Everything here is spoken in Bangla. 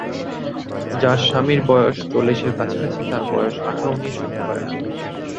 যার স্বামীর বয়স চল্লিশের কাছাকাছি তার বয়স আঠার-উনিশ হতে পারে না।